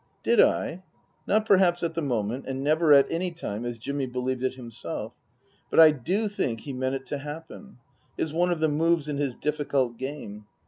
Did I ? Not perhaps at the moment, and never at any time as Jimmy believed it himself. But I do think he meant it to happen. It was one of the moves in his difficult game.